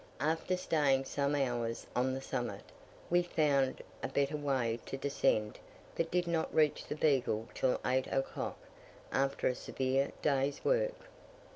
After staying some hours on the summit, we found a better way to descend, but did not reach the Beagle till eight o'clock, after a severe day's work.